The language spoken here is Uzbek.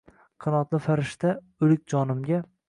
Qanotli farishta o’lik jonimga.